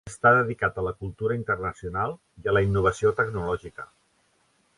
Està dedicat a la cultura internacional i a la innovació tecnològica.